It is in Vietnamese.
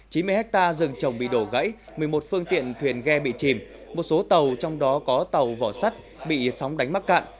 chín mươi hectare rừng trồng bị đổ gãy một mươi một phương tiện thuyền ghe bị chìm một số tàu trong đó có tàu vỏ sắt bị sóng đánh mắc cạn